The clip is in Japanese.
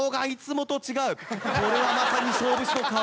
これはまさに勝負師の顔。